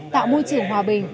tạo môi trình hòa bình